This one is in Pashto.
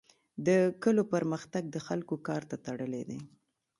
د کلو پرمختګ د خلکو کار ته تړلی دی.